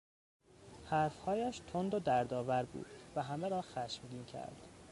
حرفهایش تند و دردآور بود و همه را خشمگین کرد.